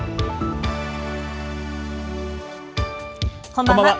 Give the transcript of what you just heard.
こんばんは。